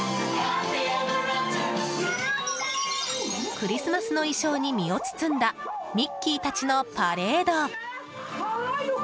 クリスマスの衣装に身を包んだミッキーたちのパレード。